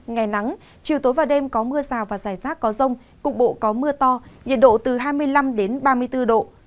ngày nắng chiều tối và đêm có mưa xào và rông cục bộ có mưa to nhiệt độ từ hai mươi năm đến ba mươi bốn độ